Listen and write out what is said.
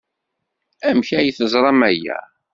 Amek ay teẓram aya?